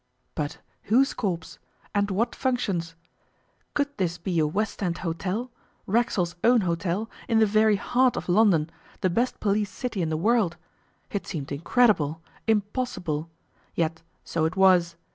But whose corpse? And what functions? Could this be a West End hotel, Racksole's own hotel, in the very heart of London, the best policed city in the world? It seemed incredible, impossible; yet so it was.